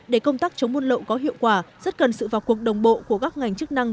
để công tác chống buôn lậu có hiệu quả rất cần sự vào cuộc đồng bộ của các ngành chức năng